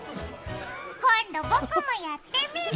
今度僕もやってみる！